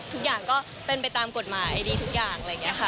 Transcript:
ทุกอย่างก็เป็นไปตามกฎหมายดีทุกอย่างอะไรอย่างนี้ค่ะ